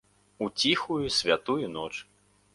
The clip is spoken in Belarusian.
У ціхую, святую ноч!